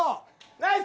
ナイス！